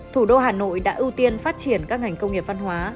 thủ đô hà nội đã ưu tiên phát triển các ngành công nghiệp văn hóa